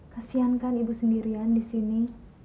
kasian kan ibu sendirian disini